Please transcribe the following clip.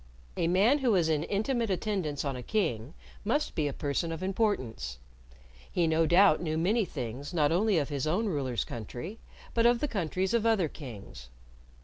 A man who was in intimate attendance on a king must be a person of importance. He no doubt knew many things not only of his own ruler's country, but of the countries of other kings.